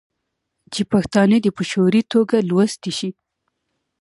چې پښتانه دې په شعوري ټوګه لوستي شي.